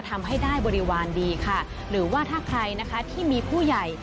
ทำให้ได้บริวารดีค่ะหรือว่าถ้าใครนะคะที่มีผู้ใหญ่